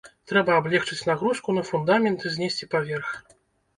Трэба аблегчыць нагрузку на фундамент і знесці паверх.